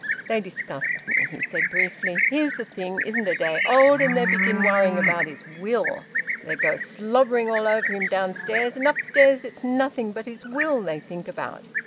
"They disgust me," he said briefly. "Here the thing isn't a day old, and they begin worrying about his will! They go slobbering all over him downstairs, and upstairs it's nothing but his will they think about...